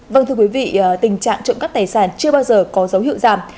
vâng thưa quý vị tình trạng trộm cắp tài sản chưa bao giờ có dấu hiệu giảm